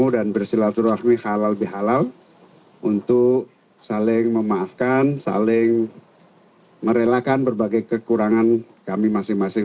dan bersilaturahmi halal bihalal untuk saling memaafkan saling merelakan berbagai kekurangan kami masing masing